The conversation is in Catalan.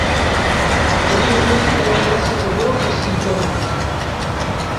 és una foto de la plaça major de Cinctorres.